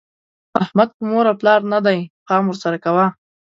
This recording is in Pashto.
احمد په مور او پلار نه دی؛ پام ور سره کوه.